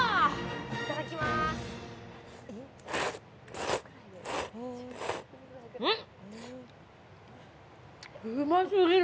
いただきまーすうん！